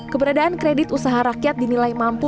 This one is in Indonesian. keberadaan kredit usaha rakyat dinilai mampu